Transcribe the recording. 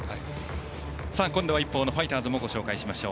今度は一方のファイターズご紹介しましょう。